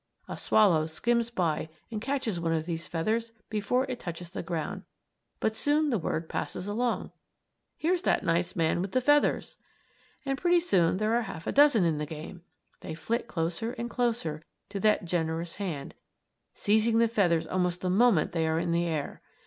A swallow skims by and catches one of these feathers before it touches the ground. But soon the word passes along: "Here's that nice man with the feathers!" And, pretty soon, there are a half dozen in the game. They flit closer and closer to that generous hand, seizing the feathers almost the moment they are in the air.